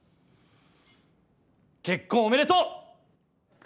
結婚おめでとう！